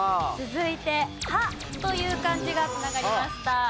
続いて「葉」という漢字が繋がりました。